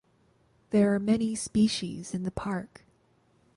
There are many species in the park.